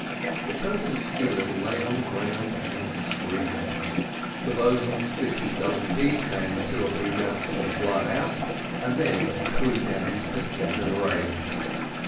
The purser's steward lay on the ground and screamed the boatswain spit his double teeth and two or three mouthfuls of blood out, and then threw down his pistols in a rage.